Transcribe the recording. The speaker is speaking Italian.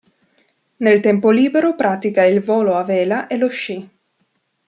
Nel tempo libero pratica il volo a vela e lo sci.